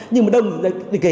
nhưng mà đông thì kìa